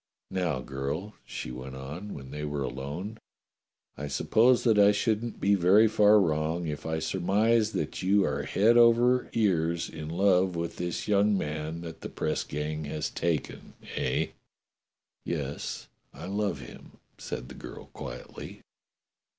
"Now, girl," she went on when they were alone, "I suppose I shouldn't be very far wrong if I surmised that you are head over ears in love with this young man that the press gang has taken, eh?" WATCHBELL STREET 259 "Yes, I love him," said the girl quietly.